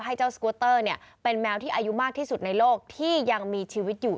ให้เจ้าสกูเตอร์เป็นแมวที่อายุมากที่สุดในโลกที่ยังมีชีวิตอยู่